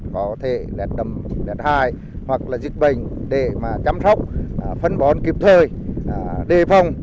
có thể lẹt đầm lẹt hai hoặc là dịch bệnh để mà chăm sóc phân bón kịp thời đề phòng